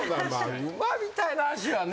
馬みたいな脚はね。